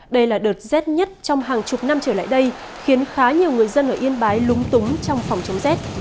đây là đợt rét nhất trong hàng chục năm trở lại đây khiến khá nhiều người dân ở yên bái lúng túng trong phòng chống rét